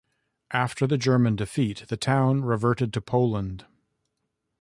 After the German defeat, the town reverted to Poland.